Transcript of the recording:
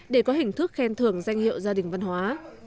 để có hình thức khen thưởng danh hiệu gia đình văn hóa